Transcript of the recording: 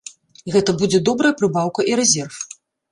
Гэта будзе добрая прыбаўка і рэзерв.